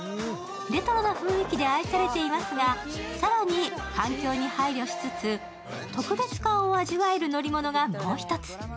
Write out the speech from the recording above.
レトロな雰囲気で愛されていますが、更に環境に配慮しつつ特別感を味わえる乗り物がもう一つ。